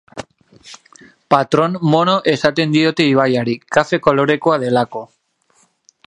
Patrón Mono esaten diote ibaiari, kafe kolorekoa delako.